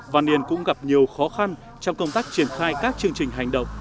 văn niên cũng gặp nhiều khó khăn trong công tác triển khai các chương trình hành động